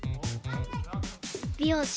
美容師。